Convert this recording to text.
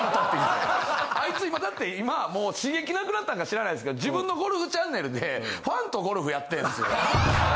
あいつ今だって今もう刺激なくなったんか知らないですけど自分のゴルフチャンネルでファンとゴルフやってるんすよ。